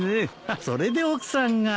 あっそれで奥さんが。